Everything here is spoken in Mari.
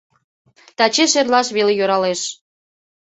Тачеш-эрлаш веле йӧралеш.